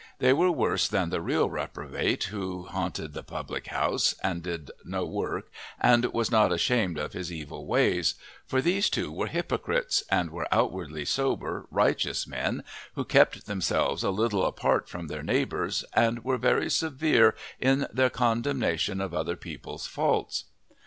They were worse than the real reprobate who haunted the public house and did no work and was not ashamed of his evil ways, for these two were hypocrites and were outwardly sober, righteous men, who kept themselves a little apart from their neighbours and were very severe in their condemnation of other people's faults.